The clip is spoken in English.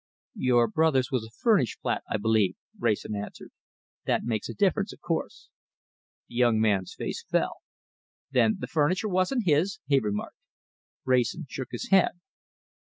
"Your brother's was a furnished flat, I believe," Wrayson answered. "That makes a difference, of course." The young man's face fell. "Then the furniture wasn't his?" he remarked. Wrayson shook his head.